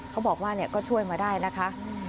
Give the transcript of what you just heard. เขาบอกว่าก็ช่วยมาได้นะคะ